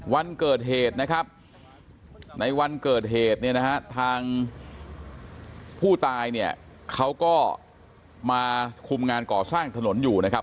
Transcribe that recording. วันเกิดเหตุนะครับในวันเกิดเหตุเนี่ยนะฮะทางผู้ตายเนี่ยเขาก็มาคุมงานก่อสร้างถนนอยู่นะครับ